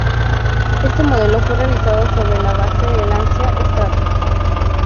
Este modelo fue realizado sobre la base del Lancia Stratos.